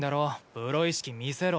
プロ意識見せろ。